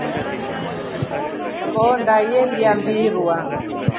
Ngoonda yenlya mbirurwa.